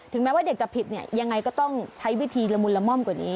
แม้ว่าเด็กจะผิดเนี่ยยังไงก็ต้องใช้วิธีละมุนละม่อมกว่านี้